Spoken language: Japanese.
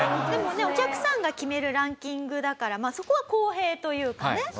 でもねお客さんが決めるランキングだからそこは公平というかね。